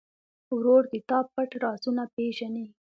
ورور د تا پټ رازونه پېژني.